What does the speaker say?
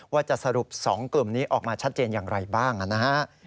ว่าจะสรุป๒กลุ่มนี้ออกมาชัดเจนอย่างไรบ้างนะฮะ